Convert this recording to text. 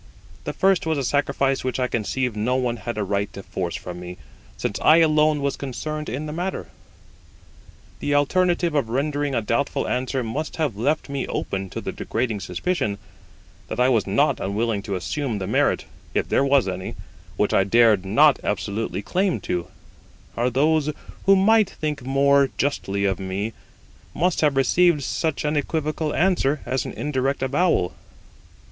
The first was a sacrifice which I conceive no one had a right to force from me, since I alone was concerned in the matter. The alternative of rendering a doubtful answer must have left me open to the degrading suspicion that I was not unwilling to assume the merit (if there was any) which I dared not absolutely lay claim to; or those who might think more justly of me must have received such an equivocal answer as an indirect avowal.